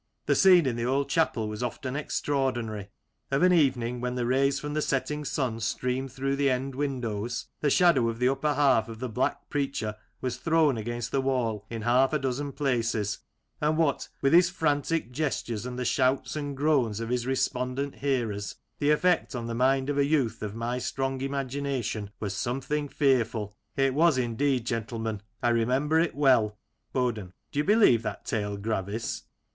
The scene in the old chapel was often extraordinary. Of an evening when the rays from the setting sun streamed through the end windows, the shadow of the upper half of the black preacher was thrown against the wall in half a dozen places, and what with his frantic gestures and the shouts and the groans of his respondent hearers, the effect on the mind of a youth of my strong imagination was something fearful. It was, indeed, gentle men, I remember it well. BoDEN : Do you believe that tale. Gravis